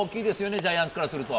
ジャイアンツからすると。